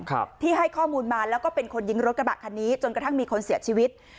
ครับที่ให้ข้อมูลมาแล้วก็เป็นคนยิงรถกระบะคันนี้จนกระทั่งมีคนเสียชีวิต